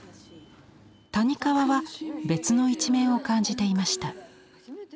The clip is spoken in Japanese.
谷川は別の一面を感じていました。